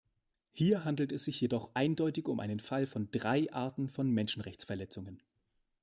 Hier handelt es sich jedoch eindeutig um einen Fall von drei Arten von Menschenrechtsverletzungen.